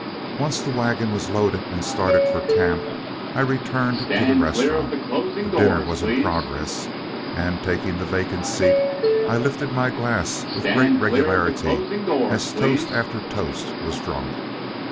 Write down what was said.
Once the wagon was loaded and started for camp, I returned to the restaurant. The dinner was in progress, and taking the vacant seat, I lifted my glass with great regularity as toast after toast was drunk.